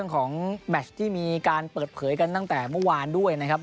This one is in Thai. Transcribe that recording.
ของแมชที่มีการเปิดเผยกันตั้งแต่เมื่อวานด้วยนะครับ